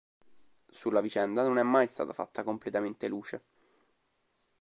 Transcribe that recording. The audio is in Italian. Sulla vicenda non è mai stata fatta completamente luce.